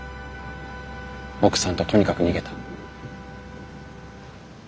奥さんととにかく逃げた。